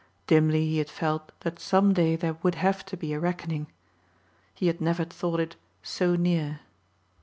Dimly he had felt that some day there would have to be a reckoning. He had never thought it so near.